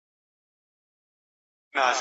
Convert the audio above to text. موږ خو نه د دار، نه دسنګسار میدان ته ووتو